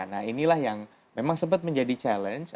nah inilah yang memang sempat menjadi challenge